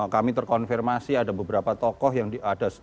kami terkonfirmasi ada beberapa tokoh yang ada